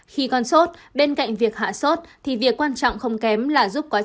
khi con sốt bên cạnh việc hạ sốt thì việc quan trọng không kém là giúp con sốt